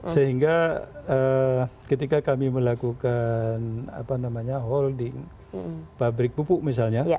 sehingga ketika kami melakukan holding pabrik pupuk misalnya